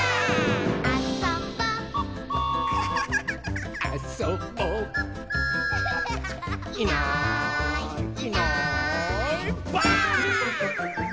「あそぼ」「あそぼ」「いないいないばあっ！」